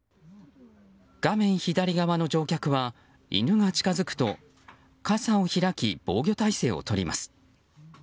画面左側の乗客は犬が近づくと傘を開き、防御体勢をとります。